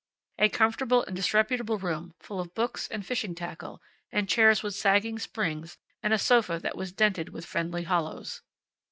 A comfortable and disreputable room, full of books, and fishing tackle, and chairs with sagging springs, and a sofa that was dented with friendly hollows.